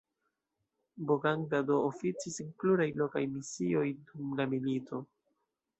Boganda do oficis en pluraj lokaj misioj dum la milito.